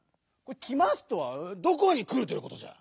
「きます」とはどこにくるということじゃ？